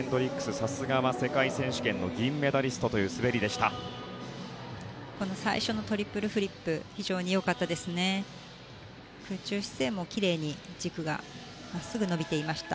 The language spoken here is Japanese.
さすが世界選手権銀メダリストの滑りでした。